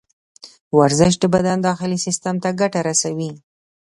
ورزش د بدن داخلي سیستم ته ګټه رسوي.